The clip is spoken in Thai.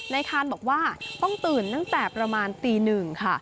คานบอกว่าต้องตื่นตั้งแต่ประมาณตีหนึ่งค่ะ